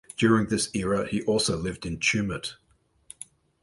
During this era he also lived in Tumut.